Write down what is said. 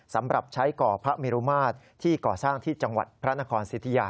สำหรับใช้ก่อพระเมรุมาตรที่ก่อสร้างที่จังหวัดพระนครสิทธิยา